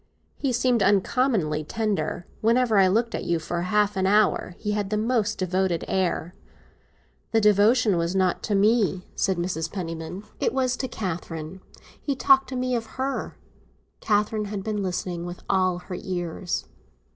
"He seemed uncommonly tender. Whenever I looked at you, for half an hour, he had the most devoted air." "The devotion was not to me," said Mrs. Penniman. "It was to Catherine; he talked to me of her." Catherine had been listening with all her ears.